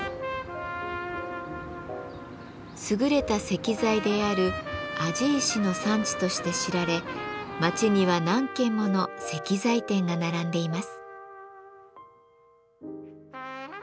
すぐれた石材である「庵治石」の産地として知られ町には何軒もの石材店が並んでいます。